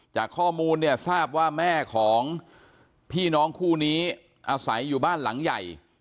จากข้อมูลเนี่ยทราบว่าแม่ของพี่น้องคู่นี้อาศัยอยู่บ้านหลังใหญ่